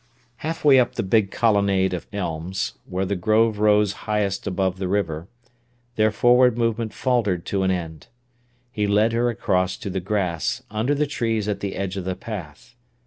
Halfway up the big colonnade of elms, where the Grove rose highest above the river, their forward movement faltered to an end. He led her across to the grass, under the trees at the edge of the path.